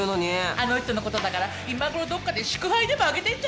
あの人の事だから今頃どこかで祝杯でも上げてんじゃないの？